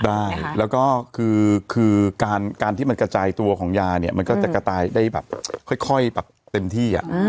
ได้แล้วก็คือการที่มันกระจายตัวของยาเนี่ยมันก็จะกระจายได้แบบค่อยแบบเต็มที่